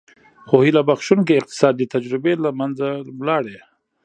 خو هیله بښوونکې اقتصادي تجربې له منځه لاړې.